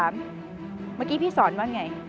เมื่อกี้พี่สอนว่าไง